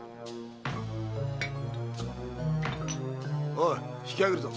おい引きあげるぞ。